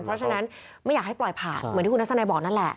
เพราะฉะนั้นไม่อยากให้ปล่อยผ่านเหมือนที่คุณทัศนัยบอกนั่นแหละ